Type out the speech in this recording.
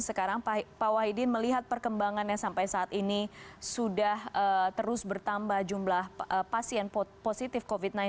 sekarang pak wahidin melihat perkembangannya sampai saat ini sudah terus bertambah jumlah pasien positif covid sembilan belas